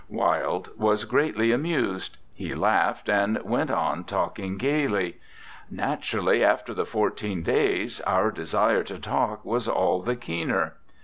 Wilde was greatly amused; he laughed, and went on talking gaily: "Naturally, after the fourteen days, our desire to talk was all the keener.